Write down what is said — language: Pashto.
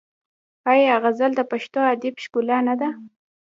آیا غزل د پښتو ادب ښکلا نه ده؟